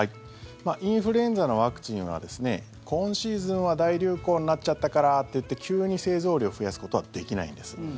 インフルエンザのワクチンはですね今シーズンは大流行になっちゃったからっていって急に製造量を増やすことはできないんです。